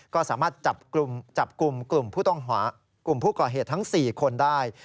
ก็สามารถจับกลุ่มกลุ่มผู้ก่อเหตุทั้ง๔คนได้